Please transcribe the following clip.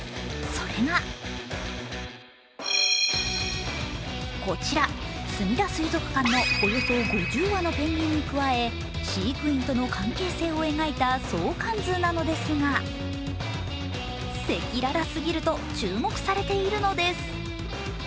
それがこちら、すみだ水族館のおよそ５０羽のペンギンに加え飼育員との関係性を描いた相関図なのですが赤裸々すぎると注目されているのです。